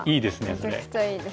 めちゃくちゃいいですよね。